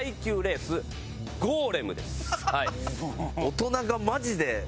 大人がマジで。